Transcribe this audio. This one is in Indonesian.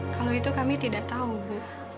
kalau itu kami tidak tahu bu